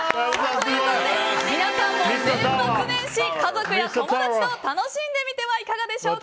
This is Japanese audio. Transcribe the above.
皆さんも年末年始、家族や友達と楽しんでみてはいかがでしょうか。